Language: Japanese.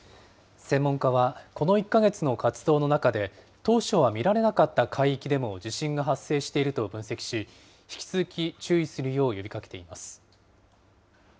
専門家はこの１か月の活動の中で、当初は見られなかった海域でも地震が発生していると分析し、引き続き注意するよう呼びかけています。